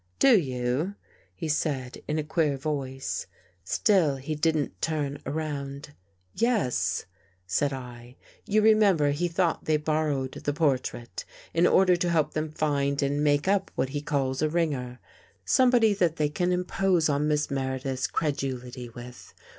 "Do you?" he said in a queer voice. Still he didn't turn around. " Yes," said I. " You remember he thought they borrowed the portrait in order to help them find and make up what he calls a ringer — somebody that they can impose on Miss Meredith's credulity with.